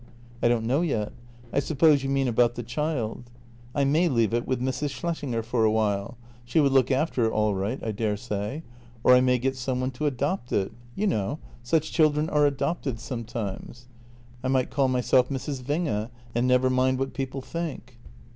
"" I don't know yet. I suppose you mean about the child? I may leave it with Mrs. Schlessinger for a time; she would look after it all right, I dare say. Or I may get some one to adopt it; you know, such children are adopted sometimes. I might call myself Mrs. Winge and never mind what people think."